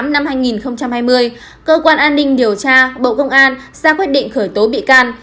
năm hai nghìn hai mươi cơ quan an ninh điều tra bộ công an ra quyết định khởi tố bị can